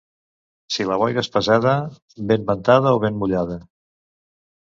Si la boira és pesada, ben ventada o ben mullada.